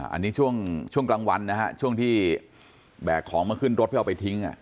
อันนี้ช่วงกลางวันนะฮะช่วงที่แบกของมาขึ้นรถเพื่อเอาไปทิ้ง